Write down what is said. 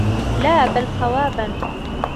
لَا بَلْ صَوَابًا